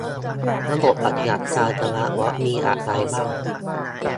ระบบปฏิบัติการสมาร์ทวอชมีอะไรบ้าง